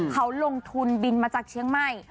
เขาลงทุนบินมาจากเชียงใหม่